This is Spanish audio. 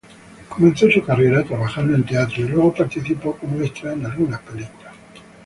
Comenzó su carrera trabajando en teatro y luego participó como extra en algunas películas.